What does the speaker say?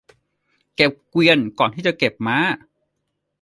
เก็บเกวียนก่อนที่จะเก็บม้า